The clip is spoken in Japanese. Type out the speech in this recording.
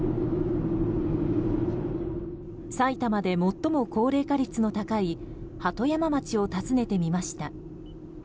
埼玉で最も高齢化率の高い鳩山町を訪ねてみました。